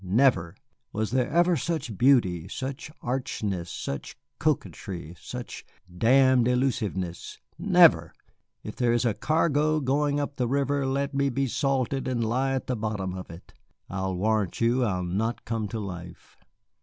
Never! Was there ever such beauty, such archness, such coquetry, such damned elusiveness? Never! If there is a cargo going up the river, let me be salted and lie at the bottom of it. I'll warrant you I'll not come to life."